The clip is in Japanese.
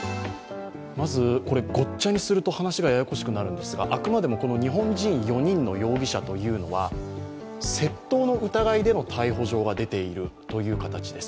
ごっちゃにすると話がややこしくなるんですが、あくまでも日本人４人の容疑者というのは窃盗の疑いでの逮捕状が出ているという形です。